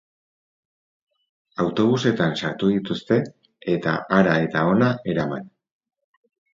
Autobusetan sartu dituzte, eta hara eta hona eraman.